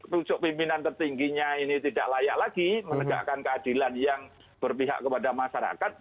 rujuk pimpinan tertingginya ini tidak layak lagi menegakkan keadilan yang berpihak kepada masyarakat